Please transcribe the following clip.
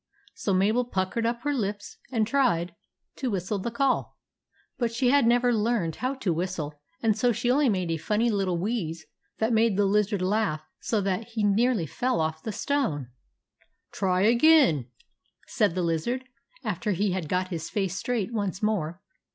So Mabel puckered up her lips and tried THE GREEN LIZARD 7 to whistle the call ; but she had never learned how to whistle and so she only gave a funny little wheeze that made the lizard laugh so that he nearly fell off the stone. " Try again/' said the lizard, after he had got his face straight once more.